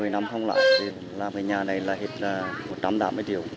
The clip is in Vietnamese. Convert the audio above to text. một mươi năm không lại thì làm cái nhà này là hết một trăm tám mươi triệu